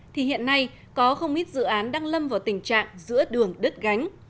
thì hiện nay có không ít dự án đang lâm vào tình trạng giữa đường đất gánh